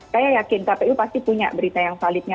saya yakin kpu pasti punya berita yang validnya